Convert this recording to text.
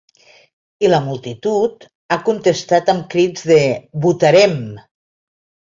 I la multitud ha contestat amb crits de ‘Votarem!’.